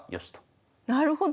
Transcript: なるほど。